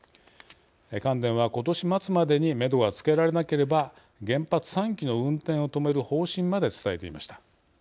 関電は、今年末までにめどがつけられなければ原発３基の運転を止める方針まで伝えていました。